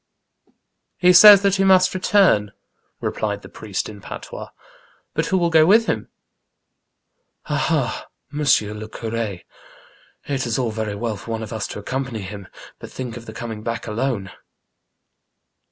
He says tbat be must return !" replied tbe priest in patois. But wbo will go witb him ?"" Ah, ha ! M. le Cur6. It is all very well for one of us to accompany bim, but think of the coming back alone